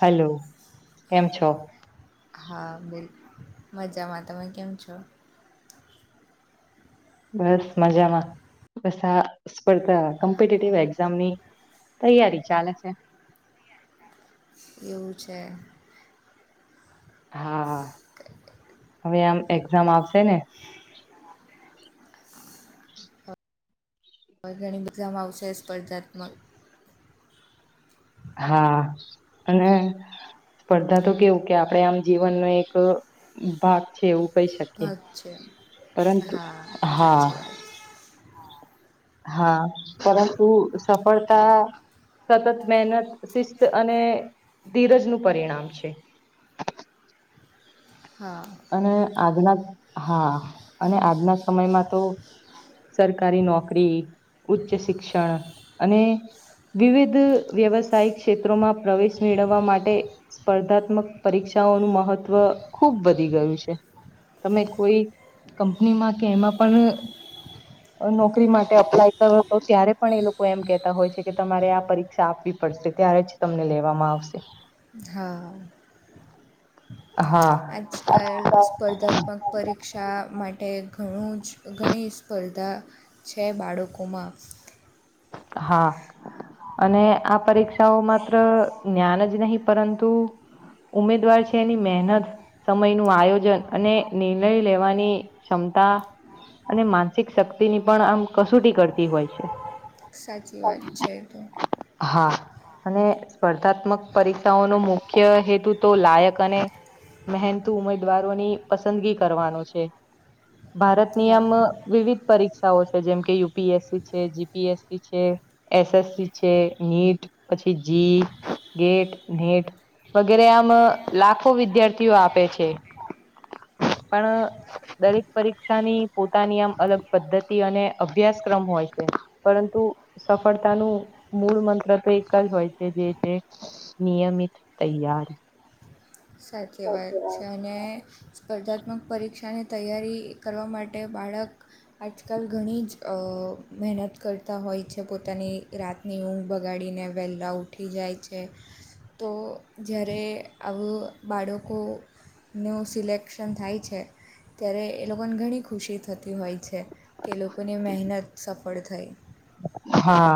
Hello કેમ છો. હા બેન મજામાં તમે કેમ છો. બસ મજામાં બસ આ સ્પર્ધા કોમ્પિટેટિવ એક્ઝામની તૈયારી ચાલે છે. એવું છે. હા હવે આમ એક્ઝામ આવશે ને વર્ગણિક એક્ઝામ આવશેય સ્પર્ધાત્મક હા અને સ્પર્ધા તો કેવું કે આપડે આમ જીવનનો એક ભાગ છે એવું કહી શકીએ ભત છે પરંતુ હા હા સાચી વાત હા પરંતુ સફળતા સતત મહેનત શિસ્ત અને ધીરજ નું પરિણામ છે [inaudible] હા અને આજના હા અને આજના સમયમાં તો સરકારી નોકરી ઉચ્ચ શિક્ષણ અને વિવિધ વ્યવસાયિક ક્ષેત્રોમાં પ્રવેશ મેળવવા માટે સ્પર્ધાત્મક પરીક્ષા નું મહત્વ ખુબ બું ત કોઈ કંપનીમાં કે એમાં પણ નોકરી માટે અપ્લાય કરો તો ત્યારે પણ એ લોકો એમ કેહેતા હોય છે કે તમારે આ પરીક્ષા આપવી પડશે ત્યારે જ તમને લેવામાં આવશે હા હા સ્પર્ધાત્મક પરીક્ષા માટે ઘણું જ ઘણી સ્પર્ધા છે બાળકોમાં હા અને આ પરીક્ષાઓ માત્ર જ્ઞાન જ નહીિ પરંતુ ઉમેદવાર છે એની મહેનત સમય ન આયોજન અને નિર્ણય લેવાની ક્ષ અને માનસિક શક્તિની પણ આમ કસોટી કરતી હોય છે સાચી વાત છે તો હા અને સ્પર્ધાત્મક પરીક્ષાઓનો મુખ્ય હેતુ તો લાયક અને મહેનતુ ઉમેદવારોની પસંદગી કરવાનો છે. ભારતની આમ હા વિવિધ પરીક્ષાઓ છે, જેમકે યુપીએસસી છે જી પીએસસી છે, એસસસી છે, નીટ પછી જી ગેટ, નેટ વગેરે આમ લાખો વિદ્યાર્થીઓ આપે છે પણ દરેક પરીક્ષાની પોતાની આમ અલગ પદ્ધતિ અને અભ્યાસક્રમ હોય છે. પરંતુ સફળતાનું મૂળ મંત્ર તો એક જ હોય છે જે છે નિયમિત તૈયાર. સાચી વાત છે અને. સ્પર્ધાત્મક પરીક્ષાની તૈયારી કરવા માટે બાળક આજકાલ ઘણી જ મહેનત કરતા હોય છે, પોતાની રાતની ઊંઘ બગાડી ને વહેલા ઉઠી જાય છે, તો જ્યારે આવું બાળકોનું સિલેક્શન થાય છે. ત્યારે એ લોકોને ઘણી ખુશી થતી હોય છે, કે એ લોકોની મહેનત સફળ થઈ. હા.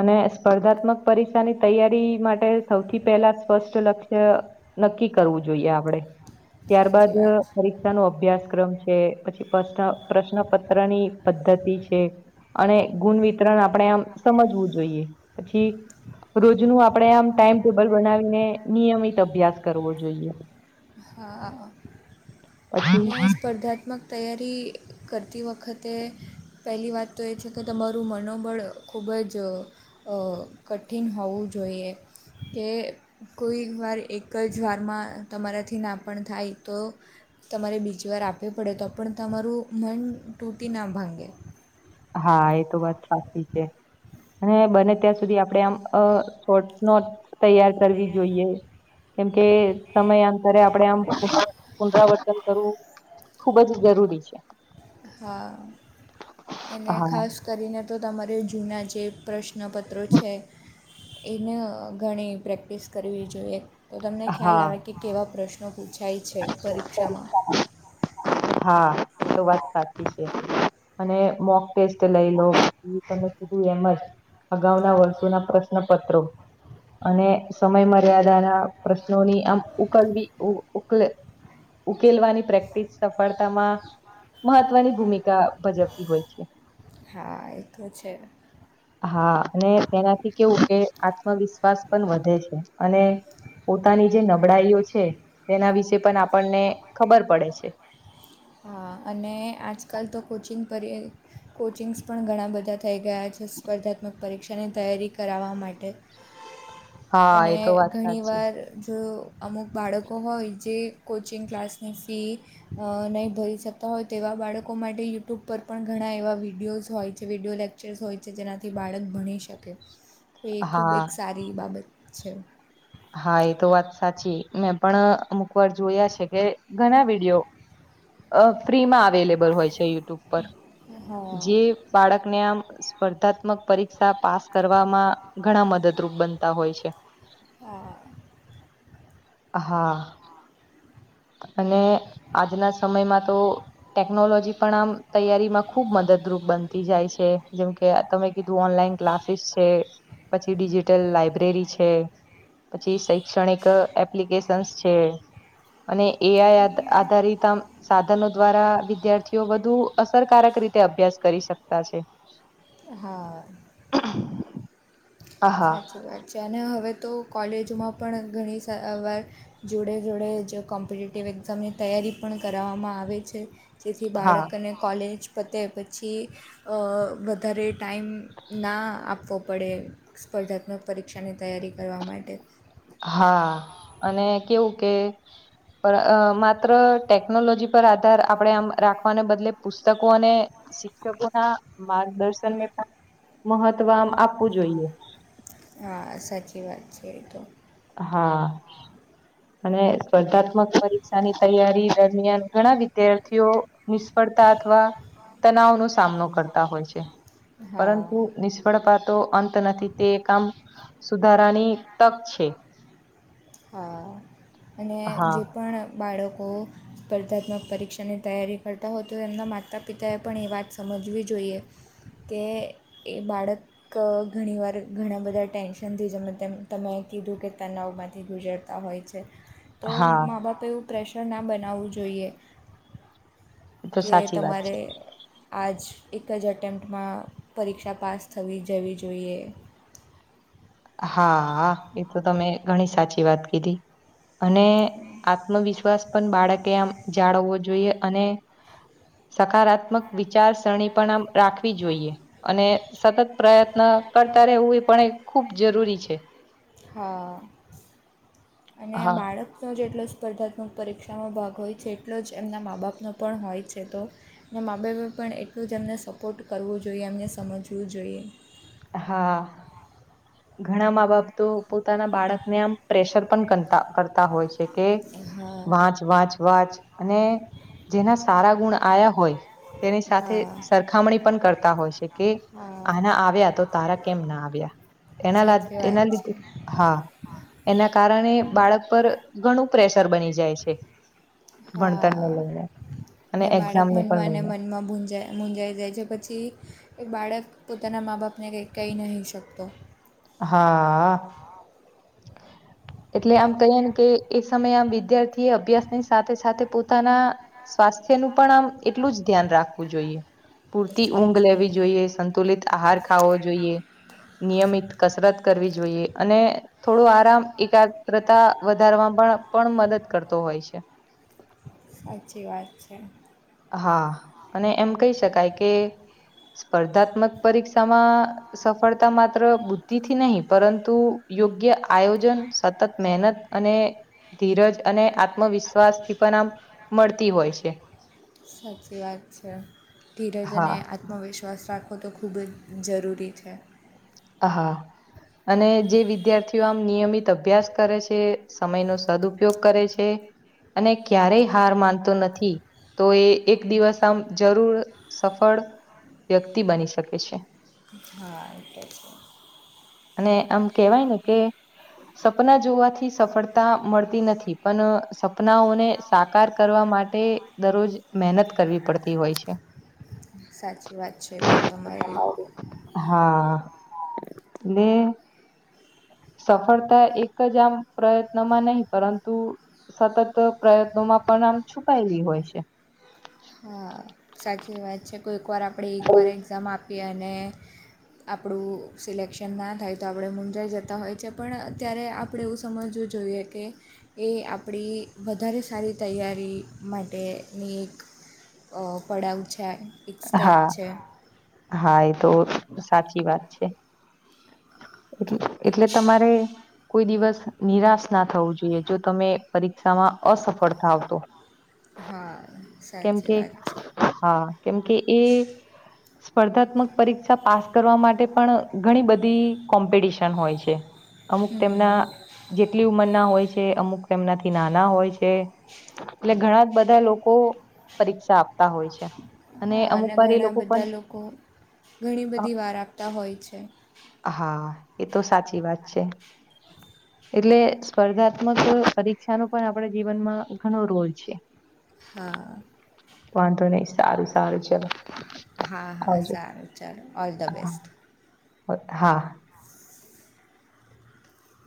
અને સ્પર્ધાત્મક પરીક્ષાની તૈયારી માટે સૌથી પહેલા સ્પષ્ટ લક્ષ્ય નક્કી કરવું જોઈએ આપડે સાચી ત્યારબાદ વાત છે. પરીક્ષા નો અભ્યાસક્રમ છે. પછી પ્રશ્ન પ્રશ્નપત્ર ની પદ્ધતિ છે. અને ગુણ વિતરણ આપણે આમ સમજવું જોઈએ પછી રોજનું આપણે આમ ટાઈમ ટેબલ બનાવીને નિયમિત અભ્યાસ કરવો જોઈએ હા અને પછી સ્પર્ધાત્મક તૈયારી કરતી વખતે પહેલી વાત તો એ છે, કે તમારું મનોબળ ખૂબ જ કઠિન હોવું જોઈએ કે કોઈ વાર એક જ વારમાં તમારા થી ના પણ થાય તો તમારે બીચવાર આપવી પડે તો પણ તમારું મન તૂટી ના ભંગે હા એ તો વાત સાચી છે. અને બને ત્યાં સુધી આપડણે આમ શોટ નોટ તૈયાર કરવી જોઈએ. કેમકે સમયાંતરે આપડણે આમ પુનરાવર્તન કરવું ખુબ જ જરૂરી છે. હા, અને હા ખાસ કરીને તો તમારે જૂના જે પ્રશ્ન પ્ર્નાપત્રો છે, એને ઘણી પ્રેક્ટિસ કરવી જોઈએ. તો તમને ખ્યાલ હા આવે કે કેવા પ્રશ્નો પૂછાય છે પરીક્ષામાં હા, તો વાત સાચી છે. અને મોક ટેસ્ટ લઈ લો એ તમે સીધું એમ જ અગાઉના વર્ષોના પ્રશ્નપત્રો અને સમય મર્યાદાના પ્રશ્નોની આમ ઉકલવી ઉકલે ઉકેલવાની પ્રેક્ટિસ સફળતામાં મહત્વની ભૂમિકા ભજવતી હોય છે. હા એ તો છે હા અને તેનાથી કેવું કે આત્મવિશ્વાસ પણ વધે છે, અને પોતાની જે નબળાઈઓ છે. તેના વિશેે પણ આપણને ખબર પડે છે. હા, અને આજકાલ તો કોચિંગ પર કોચિંગ્સ પણ ઘણા બધા થઈ ગયા છે. સ્પર્ધાત્મક પરીક્ષાની તૈયારી કરાવવા માટે હા અને એ તો વાત ઘણી સાચી. વાર જો અમુક બાળકો હોય જે કોચિંગ ક્લાસની ફી નહીં ભરી શકતા હોય તેવા બાળકો માટે યુટ્યુબ પર પણ ઘણા એવા વિડીયોઝ હોય છે વિડીયો લેક્ચર્સ હોય છે. જેનાથી બાળક ભણી શકે તો એ ખૂબ હા એક સારી બાબત છે. હા એ તો વાત સાચી મેં પણ અમુક વાર જોયા છે, કે ઘણા વિડીિયો અ ફ્રીમાં અલેબલ હોય છે, યુટ્યુબ પર હા જે બાળકને આમ સ્પર્ધાત્મક પરી પરીક્ષા પાસ કરવામાં ઘણા મદદરૂપ બનતા હોય છે. હા [inaudible] અને આજના સમયમાં તો ટેકનોલોજી પણ આમ તૈયારીમાં ખુબ મદદરૂપ બનતી જાય છે જેમકે તમે કીધું ઓનલાઈન ક્લાસીસ છે પછી ડિજિટલ લાઈબ્રેરી છે. પછી શૈક્ષણિક એપ્લિકેશન્સ છે. અને એ આ આધારિત આમ સાધનો દ્વારા વિદ્યાર્થીઓ વધુ અસરકારક રીતે અભ્યાસ કરી શકતા છે. [inaudible] હા હા સાચી વાત છે અને હવે તો કોલેજોમાં પણ ઘણી સવાર જોડે જોડે જ કોમ્પિટટિવ એક્ઝામની તૈયાર પણ કરાવવામાં આવે છે. જેથી હા બાળકને કોલેજ પતે પછી વધારે ટાઈમ ના આપવો પડે સ્પર્ધાત્મક પરીક્ષાની તૈયારી કરવા માટે. હા અને કેવું કે પણ માત્ર ટેકનોલોજી પર આધાર આપણે આમ રાખવાને બદલે પુસ્તકોને શિક્ષકો ના માર્ગદર્શનને પણ મહત્વમ આપવું જોઈએ. હા સાચી વાત છે એ તો [inaudible] અને સ્પર્ધાત્મક પરીક્ષાની તૈયારી દરમિયાન ઘણા વિદ્યાર્થીઓ નિષ્ફળ અથવા તનાવ નો સામનો કરતા હોય છે. હા પરંતુ નિષ્ફળ પાતો અંત નથી તે કામ સુધારાની તક છે. હા અને હા જે પણ બાળકો સ્પર્ધાત્મક પરીક્ષાની તૈયારી કરતા હોય તો એમના માતા પિતાએ પણ એ વાત સમજવી જોઈએ. તે એ બાળક ઘણીવાર ઘણા બધા ટેન્શનથી જમે તેમ તમે કીધું કે તનાવમાંથી ગુજરતા હોય છે. તો હા મા બાપે એવું પ્રેશર ના બનાવવું જોઈએ. એ તો કે સાચી વાત તમારે છે આજ એક જ એટેમ્પ્ટમાં પરીક્ષા પાસ થવી જવી જોઈએ. હા એ તો તમે ઘણી સાચી વાત કીધી. અને આત્મવિશ્વાસ પણ બાળકે આમ જાળવવો જોઈએ અને સકારાત્મક વિચારસરણી પણ આ રાખવી જોઈએ, અને સતત પ્રયત્ન કરતા રહેવું એ પણ એ ખુબ જરૂરી છે. હા અને હા. બાળકનો જેટલો સ્પર્ધાત્મક પરીક્ષામાં ભાગ હોય છે એટલો જ એમના મા બાપનો પણ હોય છે, તો મા બાપ પણ એટલું જ એમને સપોર્ટ કરવું જોઈએ એમને સમજવું જોઈએ. હા. ઘણા માં -બાપ તો પોતાના બાળક ને આમ પ્રેશર પણતા કરતા -કરતા હોય છે. કે હા વાંચ વાંચ વાંચ અને જેના સારા ગુણ આવ્યા હોય તેની સાથે હા સરખામણી પણ કરતા હોય છે, કે હા આના આવ્યા તો તારા કેમ ના આવ્યા. એના સાચી એના વાત છે લીધે હા એના કારણે બાળક પર ઘણું પ્રેશર બની જાય છે. બનતાને હા લઈને. અને ને બાળક એક્ઝામને પણ મનમાં- લઈને મનમાં મુંજાય જાય મુંજાઈ જાય છે પછી એક બાળક પોતાના માં -બાપને કંઈ કહી નહીં શકતો. હા. એટલે આમ કહીએ ને કે એ સમયે આમ વિદ્યાર્થી એ અભ્યાસ ની સાથે સાથે પોતાના સ્વાસ્થ્ય નું પણ આમ એટલું જ ધ્યાન રાખવું જોઈએ. પૂરતી ઊંઘ સાચી લેવી જોઈએ સંતુલિત આહાર ખાવો જોઈએ. નિયમિત કસરત કરવી જોઈએ અને થોડું આરામ એક યા‌ત્રતા વધારવા માં પણ પણ મદદ કરતો હોય છે. સાચી વાત છે. હા અને એમ કહી શકાય કે સ્પર્ધાત્મક પરીક્ષામાં સફળતા માત્ર બુદ્ધિથી નહીં પરંતુ યોગ્ય આયોજન સતત મહેનત અને ધીરજ અને આત્મવિશ્વાસ થી પણ આમ મળતી હોય છે. સાચી વાત છે, ધીરજને હા. આત્મવિશ્વાસ રાખો તો ખૂબ જ જરૂરી છે. હા, હા. અને જે વિદ્યાર્થીઓ આમ નિયમિત અભ્યાસ કરે છે, સમયનો સદઉપયોગ કરે છે. અને ક્યારેય હાર માનતો નથી. તો એ એક દિવસ આમ જરૂર સફળ વ્યક્તિ બની શકે છે. હા છે. અને આમ કેવાય ને કે સપના જોવાથી સફળતા મળતી નથી પણ સપનાઓને સાકાર કરવાવામાં. માટે દરરોજ મહેનત કરવી પડતી હોય છે. સાચી વાત છે, તો તમારી બે સફળતા એક જ આમ પ્રયત્નોમાં નહીં પરંતુ સતત પ્રયત્નોમાં પણ નામ છુપાયેલી હોય છે. હા સાચી વાત છે, કોઈકવાર આપણે એકવાર એક્ઝામ આપીએ અને [unintelligible] [inaudible] આપણું સિલેક્શન ના થાય તો આપણે મુંઝાઈ જતા હોય છે, પણ અત્યારે આપણે એવું સમજવું જો જોઈએ કે એ આપણી વધારે સારી તૈયારી માટેની એક [inaudible] પડાાવ છે એક સ્ટેપ હા છે હા એ તો સાચી વાત છે એટલે તમારે કોઈ દિવસ નિરાશ ના થવું જોઈએ જો તમે પરીક્ષામાં અસફળતા આવતો હા સાચી કેમકે વાત છે હા કેમકે એ સ્પર્ધાત્મક પરીક્ષા પાસ કરવા માટે પણ ઘણી બધી મ્પિટશન હોય છે અમુક તેમના હમ જેટલી ઉંમરના હોય છે અમુકના નાના હોય છે એટલે ઘણા બધા લોકો પરીક્ષા આપ હોય છે અને હા અમુક વાર એ ઘણા લોકો પણ બધા લોકો ઘણી બધી વાર આપતા હોય છે અ હા એ તો સાચી વાત છે એટલે સ્પર્ધાત્મક પરીક્ષા ન પણ આપણે જીવનમાં ઘણો રોલ છે હા વાંધો નહી સારું સારું છે હા હા સારું ચાલો ઓલ ધ હા બેસ્ટ હા